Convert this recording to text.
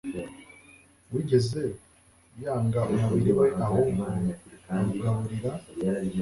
wigeze yanga umubiri we ahubwo awugaburira